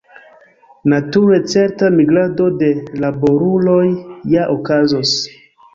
Nature, certa migrado de laboruloj ja okazos.